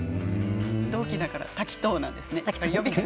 同期だから呼び方が滝藤なんですね。